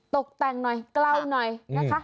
ตกแต่งหน่อยเกลาหน่อยนะคะ